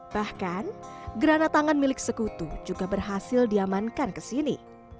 bahkan grana tangan milik sekutu juga berhasil diamankan ke sini